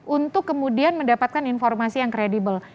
untuk kemudian mendapatkan informasi yang kredibel